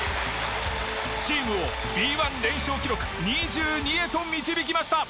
チームをＢ１連勝記録２２へと導きました！